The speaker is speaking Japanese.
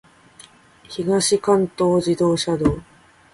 東関東自動車道